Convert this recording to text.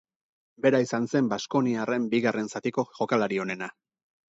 Bera izan zen baskoniarren bigarren zatiko jokalari onena.